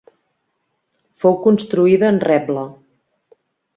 Fou construïda en reble.